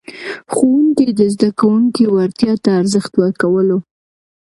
ښوونکي د زده کوونکو وړتیا ته ارزښت ورکولو.